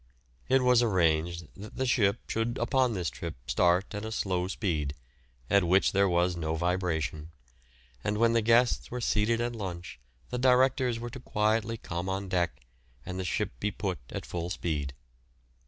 It was arranged that the ship should upon this trip start at a slow speed, at which there was no vibration, and when the guests were seated at lunch the directors were to quietly come on deck and the ship be put at full speed.